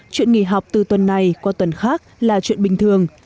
chuyện nghỉ học từ tuần này qua tuần khác là chuyện bình thường